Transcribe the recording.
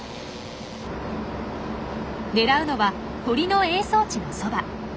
ねらうのは鳥の営巣地のそば。